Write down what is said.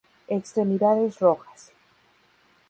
Extremidades rojas.